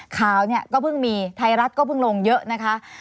ข่าวเนี่ยก็เพิ่งมีไทยรัฐก็เพิ่งลงเยอะนะคะ